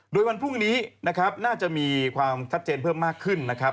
โดยวันพรุ่งนี้นะครับน่าจะมีความชัดเจนเพิ่มมากขึ้นนะครับ